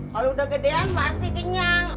kalau udah gedean pasti kenyang